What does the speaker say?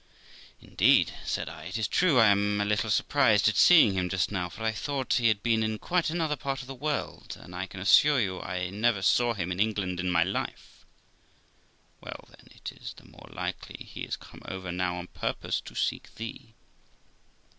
'Indeed', said I, 'it is true I am a little surprised at seeing him just now, for I thought he had been in quite another part of the world 5 and I can assure you I never saw him in England in my life.' 'Well, then, it is the more likely he is come over now on purpose to seek thee.'